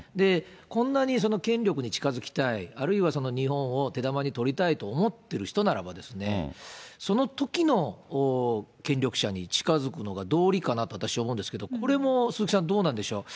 こんなに権力に近づきたい、あるいは日本を手玉に取りたいと思っている人ならば、そのときの権力者に近づくのが道理かなと、私思うんですけれども、鈴木さん、どうなんでしょう。